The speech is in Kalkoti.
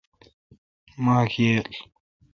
ماک ییل۔